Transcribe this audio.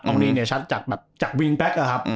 อองรี่นี่ชัดจากวิงแป๊กนะครับ